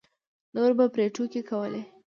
نورو به پرې ټوکې کولې.